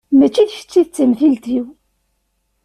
Mačči d kečč i d tamtilt-iw.